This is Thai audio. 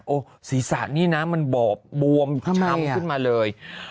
โอ๊ยศีรษะนี่นะมันบวมช้ำขึ้นมาเลย